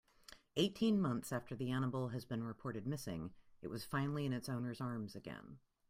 Eighteen months after the animal has been reported missing it was finally in its owner's arms again.